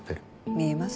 見えます？